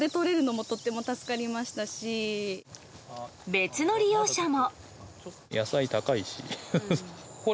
別の利用者も。